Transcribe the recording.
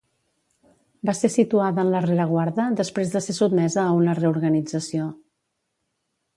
Va ser situada en la rereguarda després de ser sotmesa a una reorganització.